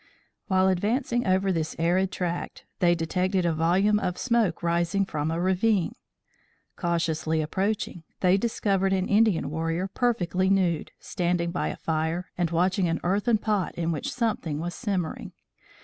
While advancing over this arid tract, they detected a volume of smoke rising from a ravine. Cautiously approaching, they discovered an Indian warrior perfectly nude, standing by a fire and watching an earthen pot in which something was simmering.